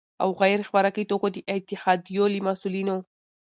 او غیر خوراکي توکو د اتحادیو له مسؤلینو،